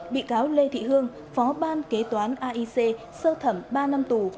bị cáo lê thị hương phó ban kế toán aic sơ thẩm ba năm tù